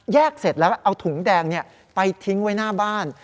เสร็จแล้วเอาถุงแดงไปทิ้งไว้หน้าบ้าน